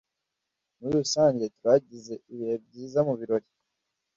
Muri rusange, twagize ibihe byiza mubirori.